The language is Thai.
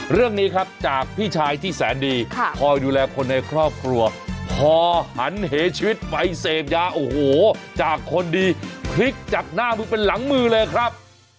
เรื่องนี้ครับจากพี่ชายที่แสนดีคอยดูแลคนในครอบครัวพอหันเหชีวิตไปเสพยาโอ้โหจากคนดีพลิกจากหน้ามือเป็นหลังมือเลยครับ